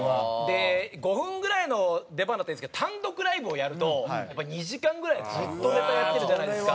５分ぐらいの出番だったらいいんですけど単独ライブをやると２時間ぐらいずっとネタやってるじゃないですか。